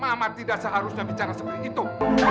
amat tidak seharusnya bicara seperti itu